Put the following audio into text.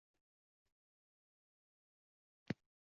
Sizdan soʻng xatto eng yaqinlarim oʻzgarilgandek